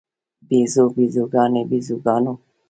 بیزو، بیزوګانې، بیزوګانو